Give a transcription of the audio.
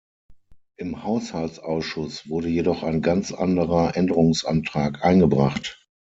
Im Haushaltsausschuss wurde jedoch ein ganz anderer Änderungsantrag eingebracht.